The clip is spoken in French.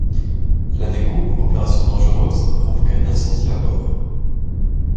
La découpe, opération dangereuse, a provoqué un incendie à bord.